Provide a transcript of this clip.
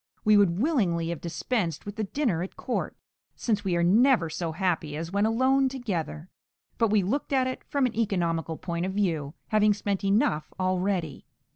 We would willingly have dispensed with the dinner at court, since we are never so happy as when alone together; but we looked at it from an economical point of view, having spent enough already.